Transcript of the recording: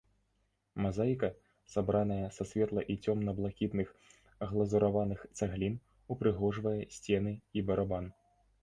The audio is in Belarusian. Мазаіка, сабраная са светла- і цёмна- блакітных глазураваных цаглін, ўпрыгожвае сцены і барабан.